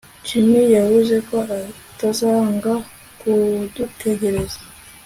Jim yavuze ko atazanga kudutegereza